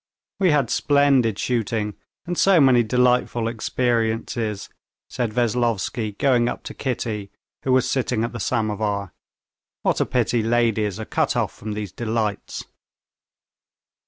"We had splendid shooting, and so many delightful experiences!" said Veslovsky, going up to Kitty, who was sitting at the samovar. "What a pity ladies are cut off from these delights!"